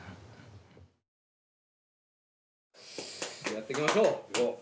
やっていきましょう！